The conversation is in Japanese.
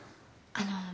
あの。